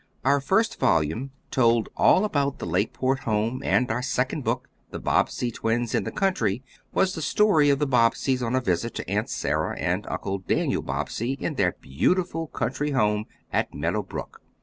Our first volume told all about the Lakeport home, and our second book, "The Bobbsey Twins in the Country," was the story of the Bobbseys on a visit to Aunt Sarah and Uncle Daniel Bobbsey in their beautiful country home at Meadow Brook.